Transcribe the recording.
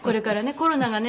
コロナがね